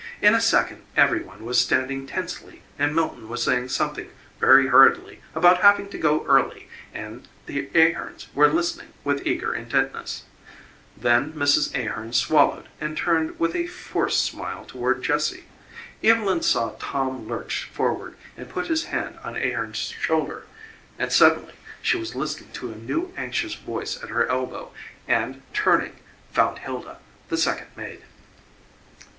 In a second every one was standing tensely and Milton was saying something very hurriedly about having to go early, and the Ahearns were listening with eager intentness. Then Mrs. Ahearn swallowed and turned with a forced smile toward Jessie. Evylyn saw Tom lurch forward and put his hand on Ahearns shoulder and suddenly she was listening to a new, anxious voice at her elbow, and, turning, found Hilda, the second maid.